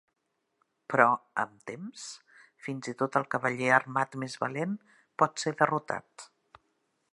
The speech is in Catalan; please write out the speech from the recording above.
Però amb temps, fins i tot el cavaller armat més valent pot ser derrotat.